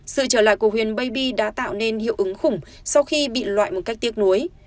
sự trở lại của huyền baybi đã tạo nên hiệu ứng khủng sau khi bị loại một cách tiếc nuối